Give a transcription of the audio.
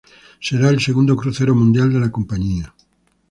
Será el segundo crucero mundial de la compañía.